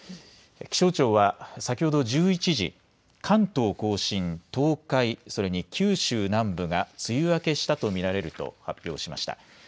気象庁は先ほど１１時、関東甲信、東海、それに九州南部が梅雨明けしたと見られると発表しました。